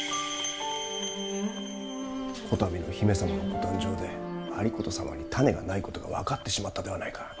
こたびの姫様のご誕生で有功様に胤がないことが分かってしまったではないか。